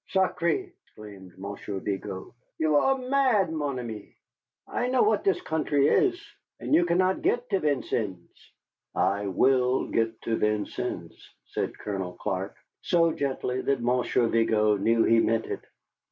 "Sacré!" exclaimed Monsieur Vigo, "you are mad, mon ami. I know what this country is, and you cannot get to Vincennes." "I will get to Vincennes," said Colonel Clark, so gently that Monsieur Vigo knew he meant it.